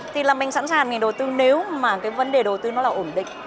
thì là mình sẵn sàng mình đầu tư nếu mà cái vấn đề đầu tư nó là ổn định